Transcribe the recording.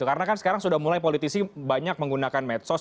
karena kan sekarang sudah mulai politisi banyak menggunakan medsos